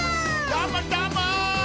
どーもどーも！